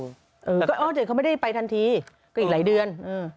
ก็เออเดี๋ยวเขาไม่ได้ไปทันทีก็อีกหลายเดือน